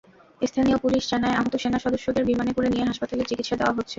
স্থানীয় পুলিশ জানায়, আহত সেনা সদস্যেদের বিমানে করে নিয়ে হাসপাতালে চিকিৎসা দেওয়া হচ্ছে।